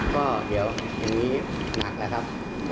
ก็เดี๋ยวนี้หนักแล้วครับ